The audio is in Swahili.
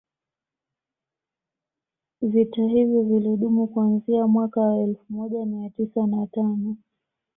Vita hivyo vilidumu kuanzia mwaka wa elfu moja mia tisa na tano